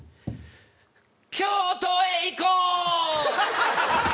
京都へ行こう！